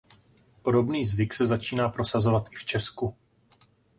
Podobný zvyk se začíná prosazovat i v Česku.